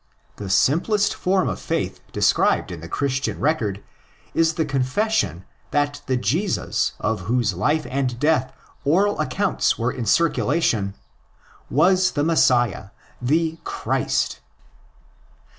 The simplest form of faith described in the Christian record is the confession that the Jesus of whose life and death oral accounts were in circulation was the Messiah the Christ."